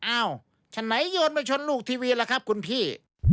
อ้าวฉะไหนโยนไปชนลูกทีวีล่ะครับคุณพี่